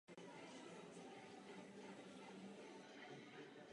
Kanál vysílá volně ze satelitu Hot Bird.